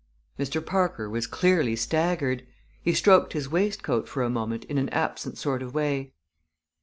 Mr. Parker was clearly staggered. He stroked his waistcoat for a moment in an absent sort of way.